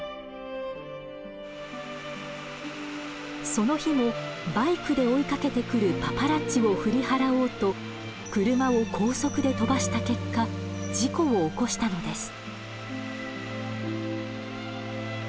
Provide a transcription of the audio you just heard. その日もバイクで追いかけてくるパパラッチを振り払おうと車を高速で飛ばした結果事故を起こしたのです。